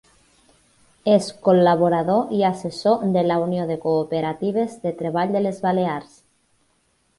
És col·laborador i assessor de la Unió de Cooperatives de Treball de les Balears.